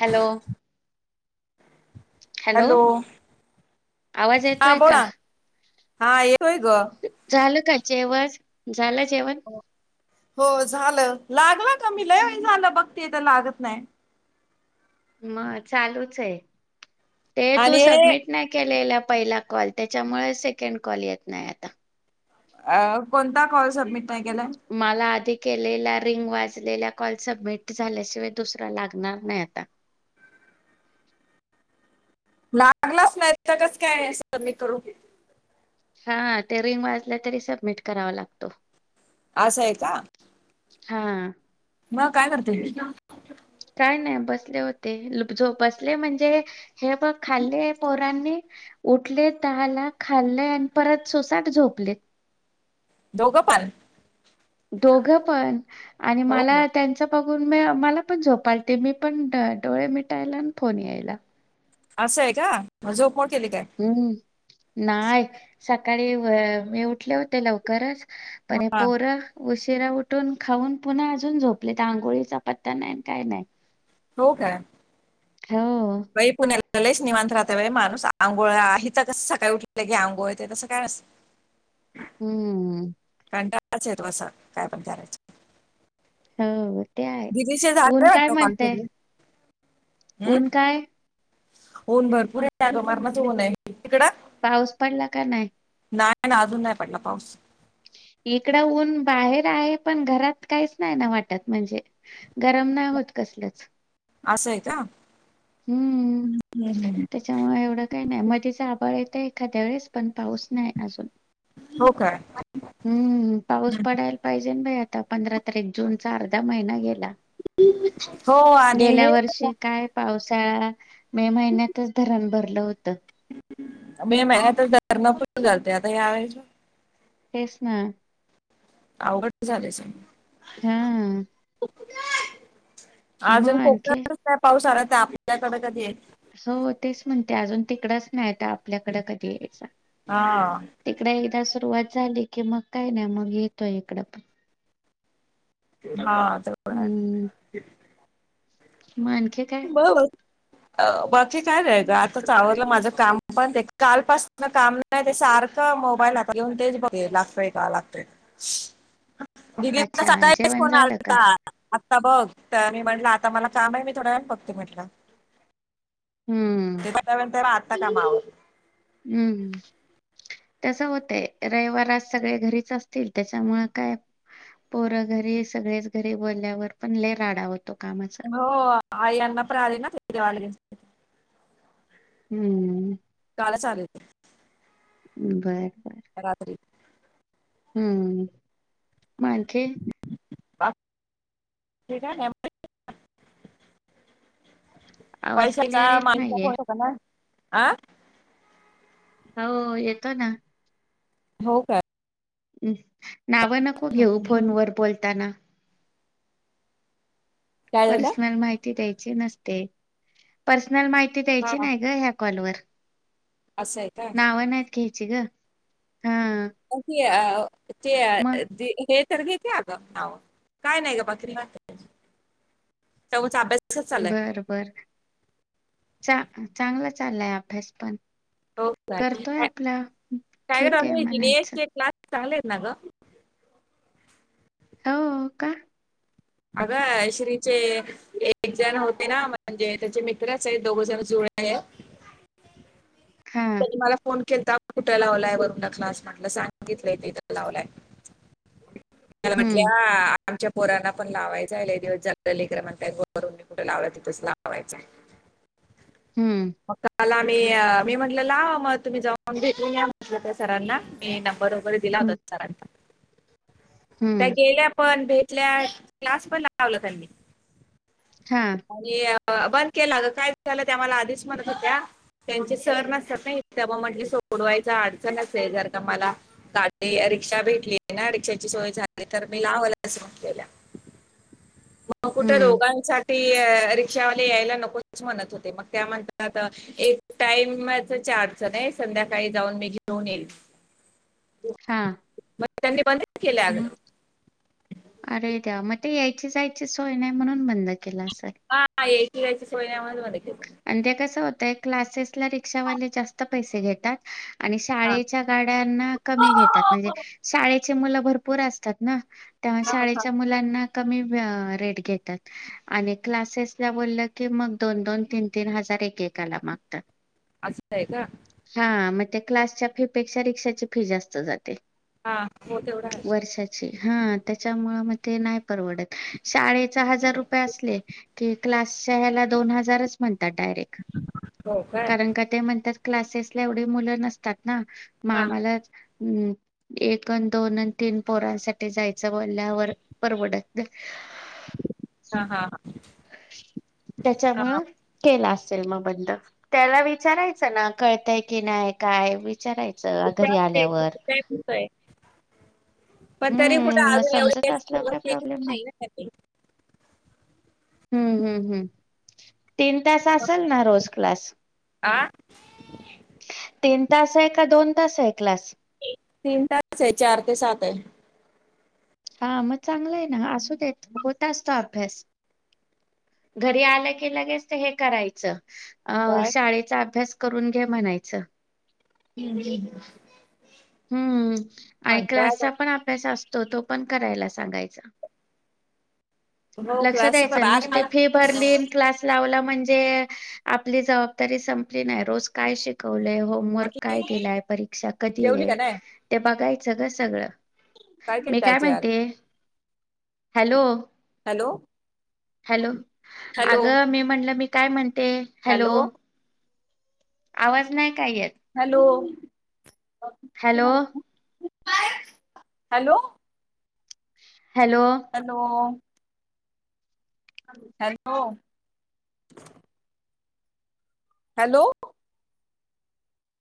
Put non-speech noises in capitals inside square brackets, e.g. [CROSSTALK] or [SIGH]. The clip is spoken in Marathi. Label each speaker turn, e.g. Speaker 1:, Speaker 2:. Speaker 1: हॅलो. हॅलो आवाज
Speaker 2: हा
Speaker 1: येतोय
Speaker 2: बोला
Speaker 1: का.
Speaker 2: हा ये ग.
Speaker 1: झालं का जेवस झालं जेवण
Speaker 2: हो झालं लागलं का मी लय वेळ झालं बघते तर लागत नाही.
Speaker 1: मग चालूच आहे ते तू
Speaker 2: आणि हे
Speaker 1: सबमिट नाही केलेलं. पहिला कॉल त्याच्यामुळे सेकंड कॉल येत नाही आता.
Speaker 2: अ कोणता कॉल सबमिट नाही केलाय
Speaker 1: मला अधिक केल्या रिंग वाल्या कॉल सबमिट झाल्याशिवाय दुसरा लागणार नाही आता.
Speaker 2: लागलाच नाही त कस काय सबमिट करू.
Speaker 1: हा ते रिंग वाजलं तरी सबमिट करावा लागतो.
Speaker 2: असं आहे का?
Speaker 1: हा
Speaker 2: मग काय करते?
Speaker 1: काय नाही बसले होते. बसले म्हणजे हे बघ खाल्ले पोरांनी उठलेत दहाला. खाल्ले आणि परत सोसाट झोपले.
Speaker 2: दोघं पन.
Speaker 1: दोघ पण आणि
Speaker 2: हो
Speaker 1: मला त्यांचा मला पण झोप आलती. मी पण डोळे मिटायला आणि फोन यायला.
Speaker 2: असं आहे का.. मग झोपमोड केली काय?
Speaker 1: हम्म. नाही. सकाळी मी उठले होते लवकरच.... पण
Speaker 2: हा
Speaker 1: पोर उशी उशिरा उठून खाऊन पुन्हा अजून झोपले. आंघोळीचा पत्ता नाही काय नाही.
Speaker 2: हो काय.
Speaker 1: हो
Speaker 2: ललेश निवांत राहते. माणूस आंघोळ इथ कस सकाळी उठलं की लगेच आंघोळ तसं काय नसतं.
Speaker 1: हम्म
Speaker 2: कंटाळाच येतो असं काय पण करायचं.
Speaker 1: हो ते आहे.
Speaker 2: दीदीचे
Speaker 1: ऊन
Speaker 2: झाले
Speaker 1: काय
Speaker 2: वाटतं कॉल
Speaker 1: म्हणतय?
Speaker 2: सगळे
Speaker 1: ऊन काय?
Speaker 2: ऊन भरपूर आहे. मरणाचं ऊन आहे. तिकड?
Speaker 1: पाऊस पडला का नाही?
Speaker 2: नाही ना... अजून नाही पडला पाऊस.
Speaker 1: इकड ऊन बाहेर आहे. पण घरात काहीच नाही ना वाटत म्हणजे गरम नाही होत. कस च
Speaker 2: असंय का.
Speaker 1: हम्म...
Speaker 2: हम्म, हम्म.
Speaker 1: त्याच्यामुळे एवढं काही नाही. मध्येच आभाळ येत. एखाद्या वेळेस पण पाऊस नाही अजून.
Speaker 2: हो काय?
Speaker 1: हम्म... पाऊस पडायला पाहिजे बाई आता. आता पंधरा तारीख जूनचा अर्धा महिना गेला.
Speaker 2: हो आणि
Speaker 1: गेल्या
Speaker 2: हे
Speaker 1: वर्षी काय? पावसाळा मे महिन्यातच धरण भरलं होतं.
Speaker 2: मे महिन्यातच धरण फुल्ल झालते. आता यावेेळेस
Speaker 1: तेच ना..
Speaker 2: अवघड झालंच सगळं.
Speaker 1: हा
Speaker 2: अजून
Speaker 1: मग आणखी
Speaker 2: कोकणातच नाही पाऊस आला तर आपल्यात
Speaker 1: हो तेच म्हणते अजून तिकडच नाही. तर आपल्याकडे कधी यायचा.
Speaker 2: हा
Speaker 1: तिकड एकदा सुरू सुरुवात झाली की मग काय नाही मग येतोय इकडं पण
Speaker 2: हा जवळ आहे.
Speaker 1: हम्म. मग आणखी काय?
Speaker 2: बरोबर अ बाकी काय नाही ग.... आता आवरलं माझं काम पण कालपासन ते काम नाही. ते सारखं आता मोबाईल हातात घेऊन तेच बघत होते. लागतय का? लागतय का? दीदींचा
Speaker 1: अच्छा
Speaker 2: सकाळीच
Speaker 1: जेवण
Speaker 2: फोन
Speaker 1: झालं का
Speaker 2: आलता. तर बघ.. तर मी म्हटलं आता मला काम आहे. मी थोड्या वेळाने बघते म्हटलं.
Speaker 1: हम्म
Speaker 2: आत्ता काम आवरली.
Speaker 1: हम्म तस होतय रविवार आज सगळे घरीच असतील. त्याच्यामुळे काय पोर घरी सगळेच घरी बोलल्यावर पण लई राडा होतो. कामाचा
Speaker 2: हो आई अण्णा पण आले ना ते पण गावाला गेलते.
Speaker 1: हम्म
Speaker 2: काल चालेय ते
Speaker 1: बर बर
Speaker 2: राात्री
Speaker 1: हम्म माे
Speaker 2: बाकी काय नाही
Speaker 1: आवाज
Speaker 2: पैशाल का
Speaker 1: क्लिअर येत
Speaker 2: माणूिक
Speaker 1: नाहीये
Speaker 2: हो शक ना अ
Speaker 1: हो येतो ना
Speaker 2: हो का
Speaker 1: हम् नावं नको घेऊ फोन व बोलताना
Speaker 2: काय झालं
Speaker 1: पर्सनल माहिती द्यायची नसते प आपला माहिती
Speaker 2: हा
Speaker 1: द्यायची नाही ग ह्या कॉलवरर
Speaker 2: असं आहे का
Speaker 1: नावा नाहीत घ्यायची ग हा
Speaker 2: अ ते
Speaker 1: मग
Speaker 2: हे घे काय नाही ग च अभ्यास
Speaker 1: बर बर चा चांगला चाललाय अभ्यास पण
Speaker 2: हो का
Speaker 1: करतोय आपला ठीक आहे म्हणायचं
Speaker 2: कायड क्ला चाले आहेत ना ग
Speaker 1: हो का
Speaker 2: अगं श्रीचे एक जण होते ना म्हणजे त्याचे मित्रच आहे दोघ जण जुड त
Speaker 1: हां.
Speaker 2: त मला फोन ता कुठे लावलाय वरुं न क्लास म्हटला सांगितलंय तथ लावलाय मला
Speaker 1: हं,
Speaker 2: म्हटल्या आमच्या पोरांना आपण लावायच आहे दिवस ज लेकर म्हणतयरूनी कुठे लावला तिथंच लावायचं आहे
Speaker 1: हं,
Speaker 2: मकाला मी मी म्हटलं मग तुम्ही जाऊन भेून्या म्हटलं त्या सरांना मी न बरोबर दिला होता
Speaker 1: हं,
Speaker 2: सरां त्या
Speaker 1: हं.
Speaker 2: गेल्या पण भे तल्या क्लास पण लावला त्यांनी
Speaker 1: हा
Speaker 2: आणि बंद केलं ग काय झालं त्या मला आधीच मणत होत्या त्यांचे सर नसतात ना म्हट डवाय अडचण असेल जर का मला गाडी रिक्षा भेटली ना रिक्षाची सोय झाली मी लावल असं म्हटले मग कुठे
Speaker 1: हं,
Speaker 2: रोगांसाठी रिक्षावाला यायला नकोच म्हणत होते मग त्या म्ह एक टाइम अडचण आहे संध्याकाळी जाऊन मी घेऊन येईल
Speaker 1: हा
Speaker 2: मग त्यांनी बंद केले अग
Speaker 1: अरे द्या मग ते यायचे जायचीचोय नाही म्हणून बंद केला असेल
Speaker 2: ती कायच सोयन आ मामध्ये मू
Speaker 1: आणि त्या कस होतंय क्लासेसला रिक्षावाले जास्त पैसे घेतात आणि
Speaker 2: हा.
Speaker 1: शाळेच्या गाड्यांना कमी घेतात म्हणजे
Speaker 2: हा,
Speaker 1: शाळेचे मुलं भरपूर असतात ना त्यामुळे
Speaker 2: हा.
Speaker 1: शाळेच्या मुलांना के घ क्स बोल की म द दन त [UNINTELLIGIBLE] तीन हजार एक एकाला मागतात
Speaker 2: असंय का
Speaker 1: हा मग ते क्लासच्या फी पेक्षा रिक्षाची फी जास्त जाते
Speaker 2: हा हो तेवढा आहे
Speaker 1: वर्षाची हा त्याच्यामुळे मग ते नाही परवडत शाळे हजार रुपये असले क क्ला ह डायरेक्
Speaker 2: हो काय
Speaker 1: कारण का ते म्हणतात क्लासेस ला एवढे मुलं नसतात ना
Speaker 2: हां,
Speaker 1: मामलाच हम् एक अ दोन अ तीन पोरांसाठी जायचं बोलल्यावर परवडत
Speaker 2: हा हा हा
Speaker 1: त्याच्यामु केला अस ि बंद त्याला विचारायच ना कळतय की नाही काय विचारायचं घरी
Speaker 2: विचारते
Speaker 1: आल्यावर
Speaker 2: विचारतोय. पण तरी कुठं
Speaker 1: हम्म मग
Speaker 2: अजून
Speaker 1: समजत
Speaker 2: एवढी
Speaker 1: असल्यावर
Speaker 2: सुरुवात
Speaker 1: काय
Speaker 2: केली
Speaker 1: प्रॉब्लेम नाही
Speaker 2: ना त्यांनी.
Speaker 1: हम्म हम्म हम्म तीन तास असेल ना रोज क्लास
Speaker 2: आ?
Speaker 1: तीन तास आहे का दोन तास आहे क्लास
Speaker 2: तीन तास आहे चार ते सात आहे
Speaker 1: हा मग चांगलं आहे ना असू द येत होत असतो अभ्यास घरी आलं की लगेच हे करायचं अ
Speaker 2: काय
Speaker 1: शाळेचा अभ्यास करून घ्या म्हणायचं
Speaker 2: हम्
Speaker 1: हम्म आणि क्लासचा पण अभ्यास असतो तो तो पण करायला सांगायचा
Speaker 2: हो
Speaker 1: लक्षात
Speaker 2: क्लास
Speaker 1: दच
Speaker 2: अरे
Speaker 1: नुसती
Speaker 2: मला
Speaker 1: फी भरली क्लास लावला ण आप ज सं काय शिकवलय होमवर्क
Speaker 2: बाकी
Speaker 1: काय दिलाय परीक्षा कधी
Speaker 2: जेवली
Speaker 1: आहे
Speaker 2: का नाही
Speaker 1: ते बघायच सग सगळं मी
Speaker 2: केलं
Speaker 1: काय
Speaker 2: आज यार
Speaker 1: म्हणते हॅलो
Speaker 2: हॅलो
Speaker 1: हॅलो
Speaker 2: हॅलो
Speaker 1: अगं मी म्हणलं मी काय म्हणते हॅलो आवाज नाही काय येत
Speaker 2: hello
Speaker 1: hello
Speaker 2: hello hello hello hello